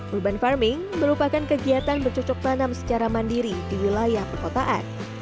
urban farming merupakan kegiatan bercocok tanam secara mandiri di wilayah perkotaan